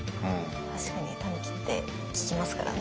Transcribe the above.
確かにたぬきって聞きますからね。